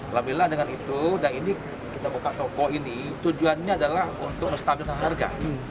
alhamdulillah dengan itu dan ini kita buka toko ini tujuannya adalah untuk menstabilkan harga